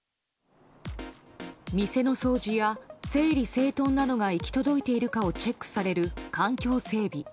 店の掃除や整理整頓などが行き届いているかをチェックされる環境整備。